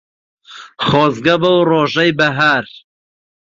خۆزگە بەو ڕۆژەی بەهار